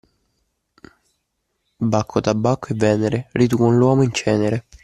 Bacco, Tabacco e Venere, riducon l'uomo in cenere.